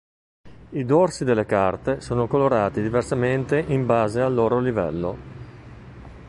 I dorsi delle carte sono colorati diversamente in base al loro livello.